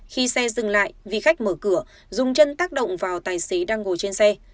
khi xe dừng lại vì khách mở cửa dùng chân tác động vào tài xế đang ngồi trên xe